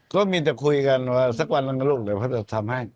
ก็มีแต่คุยกันว่าสักวันหนึ่งนะลูกเดี๋ยวเขาจะทำให้